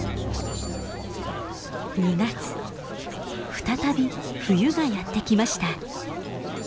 再び冬がやって来ました。